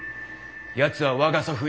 やつは我が祖父